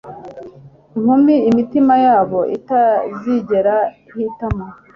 Inkumi imitima yabo itazigera ihitamo